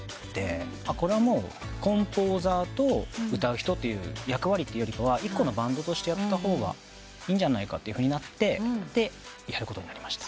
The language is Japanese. これはもうコンポーザーと歌う人という役割というより１個のバンドとしてやった方がいいんじゃないかってなってやることになりました。